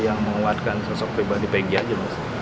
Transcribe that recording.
yang menguatkan sosok viva di pegi aja